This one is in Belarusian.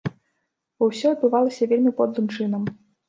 Бо ўсё адбывалася вельмі подлым чынам.